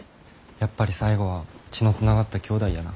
やっぱり最後は血のつながった姉弟やな。